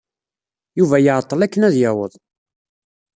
Yuba iɛeḍḍel akken ad yaweḍ.